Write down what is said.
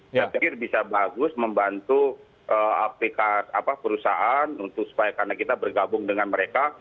saya pikir bisa bagus membantu aplikasi perusahaan untuk supaya karena kita bergabung dengan mereka